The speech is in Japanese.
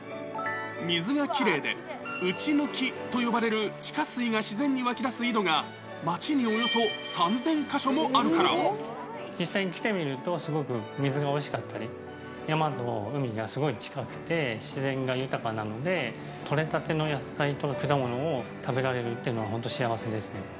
水がきれいで、うちぬきと呼ばれる地下水が自然に湧き出す井戸が、町におよそ実際に来てみると、すごく水がおいしかったり、山と海がすごい近くて、自然が豊かなので、取れたての野菜と果物を食べられるってのは、本当幸せですね。